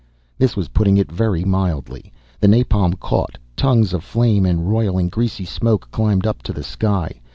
This was putting it very mildly. The napalm caught, tongues of flame and roiling, greasy smoke climbed up to the sky.